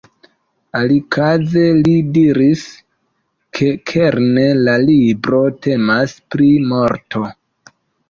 Alikaze li diris, ke kerne la libro temas pri morto.